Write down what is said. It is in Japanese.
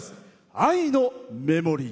「愛のメモリー」。